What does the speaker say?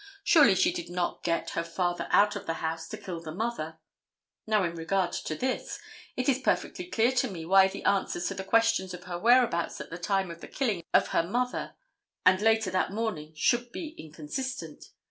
Surely she did not get her father out of the house to kill the mother. Now, in regard to this, it is perfectly clear to me why the answers to the questions of her whereabouts at the time of the killing of her mother and later that morning should be inconsistent.